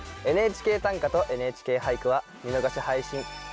「ＮＨＫ短歌」と「ＮＨＫ俳句」は見逃し配信